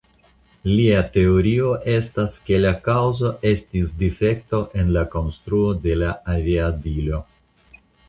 Lia teorio estas ke la kaŭzo estis difekto en la konstruo de la aviadilo.